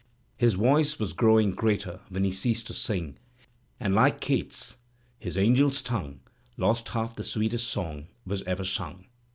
His voice was growing greater when he ceased to sing, and, like Keats, his angel's tongue Lost half the sweetest song was ever simg.